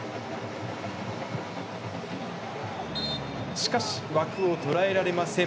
しかし、枠を捉えられません。